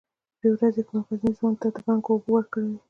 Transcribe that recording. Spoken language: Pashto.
يوه ورځ يې کوم غرني ځوان ته د بنګو اوبه ورکړې وې.